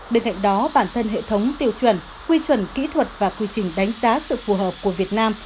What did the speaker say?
bên cạnh đó bản thân hệ thống tiêu chuẩn quy chuẩn kỹ thuật và quy trình đánh giá sự phù hợp của việt nam